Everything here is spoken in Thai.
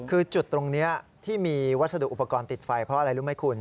คือจุดตรงนี้ที่มีวัสดุอุปกรณ์ติดไฟเพราะอะไรรู้ไหมคุณ